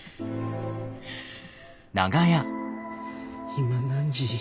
今何時？